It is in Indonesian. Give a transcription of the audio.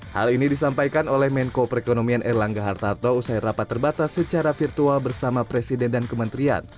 hal ini disampaikan oleh menko perekonomian erlangga hartarto usai rapat terbatas secara virtual bersama presiden dan kementerian